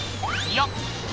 よっ！